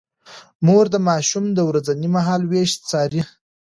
مور د ماشوم د ورځني مهالوېش څاري.